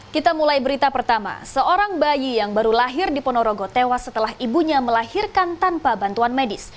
kita mulai berita pertama seorang bayi yang baru lahir di ponorogo tewas setelah ibunya melahirkan tanpa bantuan medis